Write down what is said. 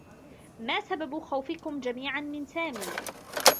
ما سبب خوفكم جميعًا من سامي؟